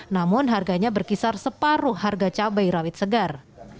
namun harganya berkisar separuh harga cabai rawit segar